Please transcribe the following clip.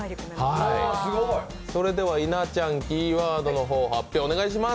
それでは稲ちゃん、キーワードの発表をお願いします。